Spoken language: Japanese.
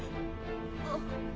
あっ。